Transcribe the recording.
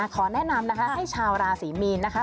ขอแนะนำนะคะให้ชาวราศรีมีนนะคะ